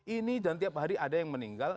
ini dan tiap hari ada yang meninggal